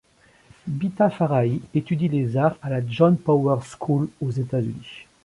Bita Farrahi étudie les arts à la John Powers’ School aux États-Unis.